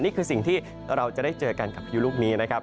นี่คือสิ่งที่เราจะได้เจอกันกับพายุลูกนี้นะครับ